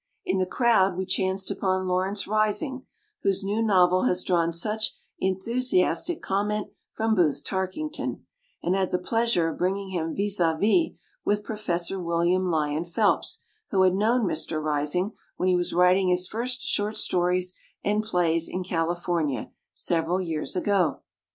In the crowd we chanced upon Lawrence Rising, whose new novel has drawn such en thusiastic conmient from Booth Tark ington, and had the pleasure of bring ing him vis ^ vis with Professor Wil liam Lyon Phelps who had known Mr. Rising when he was writing his first short stories and plays in California several years ago.